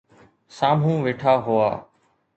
سامهون ويٺا هئا